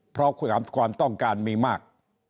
เพราะความต้องการมีมาก